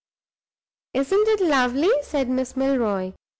"Isn't it lovely?" said Miss Milroy.